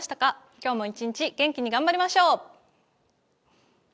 今日も一日元気に頑張りましょう。